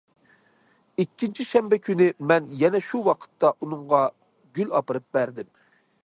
ئىككىنچى شەنبە كۈنى مەن يەنە شۇ ۋاقىتتا ئۇنىڭغا گۈل ئاپىرىپ بەردىم.